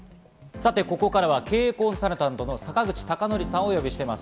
さて、ここからは経営コンサルタントの坂口孝則さんをお呼びしています。